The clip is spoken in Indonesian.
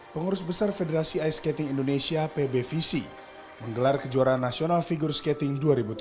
pengurus besar federasi ice skating indonesia pbvc menggelar kejuaraan nasional figure skating dua ribu tujuh belas